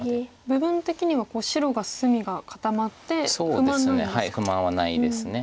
部分的には白が隅が固まって不満ないんですか。